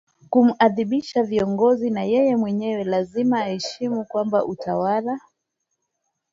kumuadhibisha viongozi na yeye mwenyewe lazima ahesimu kwamba utawala